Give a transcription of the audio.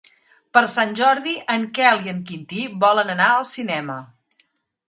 Per Sant Jordi en Quel i en Quintí volen anar al cinema.